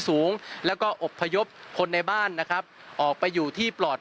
สูงแล้วก็อบพยพคนในบ้านนะครับออกไปอยู่ที่ปลอด